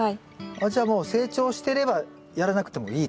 あっじゃあもう成長してればやらなくてもいいという。